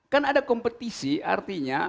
kan ada kompetisi artinya